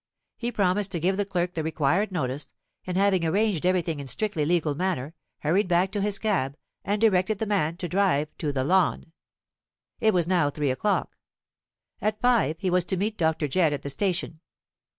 He promised to give the clerk the required notice; and having arranged everything in strictly legal manner, hurried back to his cab, and directed the man to drive to the Lawn. It was now three o'clock. At five he was to meet Dr. Jedd at the station.